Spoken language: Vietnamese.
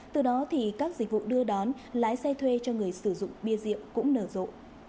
từ đó thì các dịch vụ đưa đón lái xe thuê cho người sử dụng bia rượu cũng nở rộ